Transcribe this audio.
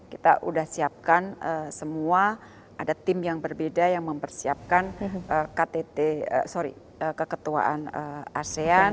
kita sudah siapkan semua ada tim yang berbeda yang mempersiapkan keketuaan asean